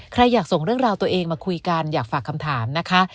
ใครอยากส่งเรื่องราวตัวเองมาคุยกันอยากฝากคำถามนะคะ